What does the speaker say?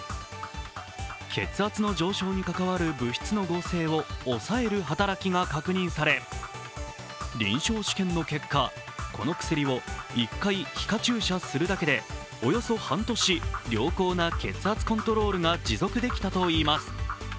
血圧の上昇に関わる物質の合成を抑える働きが確認され、臨床試験の結果、この薬を１回皮下注射するだけでおよそ半年、良好な血圧コントロールが持続できたといいます。